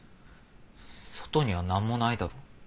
外にはなんもないだろう。